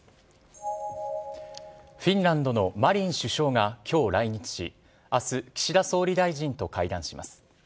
フィンランドのマリン首相がきょう来日し、あす、岸田総理大臣と会談します。